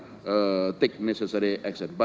kita tidak akan mengambil aksi yang perlu